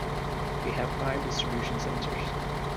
We have five distribution centres.